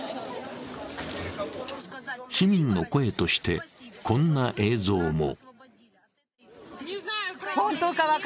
市民の声として、こんな映像も。